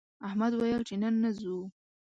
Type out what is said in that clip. احمد ویل چې نن نه ځو